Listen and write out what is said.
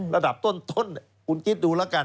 ระดับต้นคุณคิดดูแล้วกัน